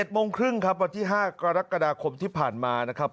โมงครึ่งครับวันที่๕กรกฎาคมที่ผ่านมานะครับ